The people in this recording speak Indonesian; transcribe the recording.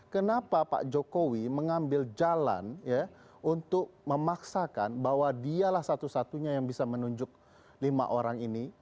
kenapa pak jokowi mengambil jalan untuk memaksakan bahwa dialah satu satunya yang bisa menunjuk lima orang ini